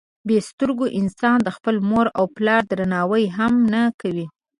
بې سترګو انسانان د خپل مور او پلار درناوی هم نه کوي.